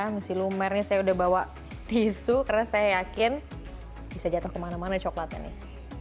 masih lumer nih saya udah bawa tisu karena saya yakin bisa jatuh kemana mana coklatnya nih